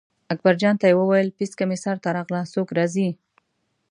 اکبرجان ته یې وویل پیڅکه مې سر ته راغله څوک راځي.